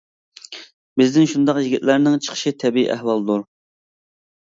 بىزدىن شۇنداق يىگىتلەرنىڭ چىقىشى تەبىئىي ئەھۋالدۇر.